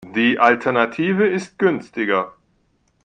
Die Alternative ist günstiger.